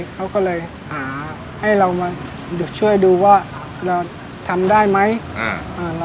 เขาก็เลยหาให้เรามาช่วยดูว่าเราทำได้ไหม